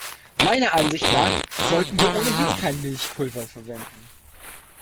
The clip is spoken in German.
Meiner Ansicht nach sollten wir ohnehin kein Milchpulver verwenden.